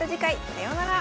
さようなら。